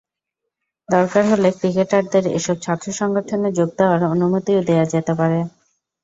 দরকার হলে ক্রিকেটারদের এসব ছাত্রসংগঠনে যোগ দেওয়ার অনুমতিও দেওয়া যেতে পারে।